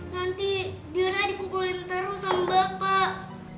nanti gira dipukulin terus sama bapak